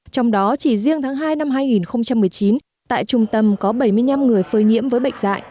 trong đó chỉ riêng tháng hai năm hai nghìn một mươi chín tại trung tâm có bảy mươi năm người phơi nhiễm với bệnh dại